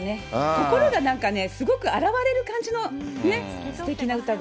心がなんかね、すごく洗われる感じのね、すてきな歌声。